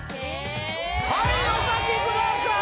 はいお書きください！